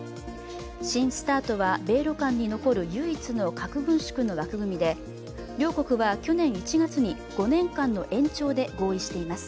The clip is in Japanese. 新ＳＴＡＲＴは、米ロ間に残る唯一の核軍縮の枠組みで両国は去年１月に５年間の延長で合意しています。